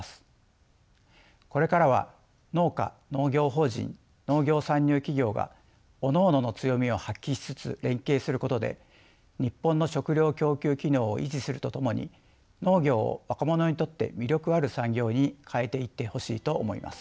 これからは農家農業法人農業参入企業がおのおのの強みを発揮しつつ連携することで日本の食料供給機能を維持するとともに農業を若者にとって魅力ある産業に変えていってほしいと思います。